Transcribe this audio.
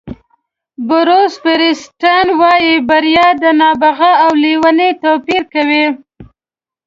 بروس فیریسټن وایي بریا د نابغه او لېوني توپیر کوي.